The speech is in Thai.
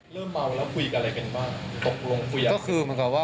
เริ่มเมาแล้วคุยกันอะไรกันบ้างตกลงคุยกัน